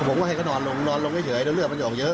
แล้วก็ผมว่าให้เขานอนลงนอนลงได้เฉยเดือนเลือดมันจะออกเยอะ